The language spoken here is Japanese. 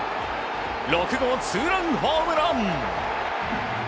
６号ツーランホームラン！